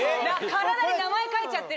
体に名前書いちゃってる。